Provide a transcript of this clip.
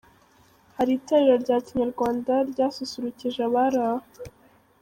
Hari itorero rya kinyarwanda ryasusurukije abari aho.